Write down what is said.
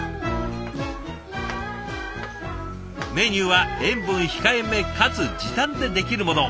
メニューは塩分控えめかつ時短でできるものを。